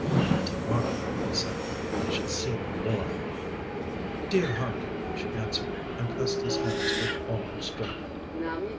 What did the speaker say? "To morrow," he said, "I shall see no more." "Dear heart!" she answered, and pressed his hands with all her strength.